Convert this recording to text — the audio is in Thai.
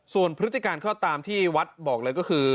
ส่วนพฤติการก็ตามที่วัดบอกเลยก็คือ